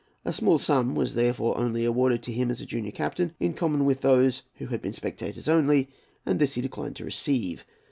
A small sum was therefore only awarded to him as a junior captain, in common with those who had been spectators only, and this he declined to receive.